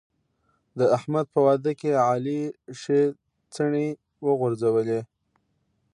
د احمد په واده کې علي ښې څڼې وغورځولې.